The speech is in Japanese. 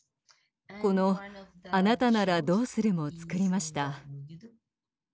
この「あなたならどうする？」も作りました。